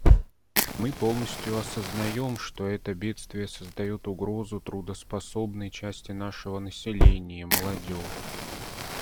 Мы полностью осознаем, что это бедствие создает угрозу трудоспособной части нашего населения — молодежи.